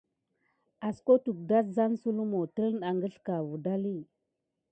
Heskote adkota ɗazen su lumu teline agəlzevədal.